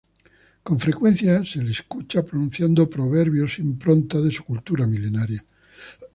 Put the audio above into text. Con frecuencia, se lo escucha pronunciando proverbios, impronta de su cultura milenaria.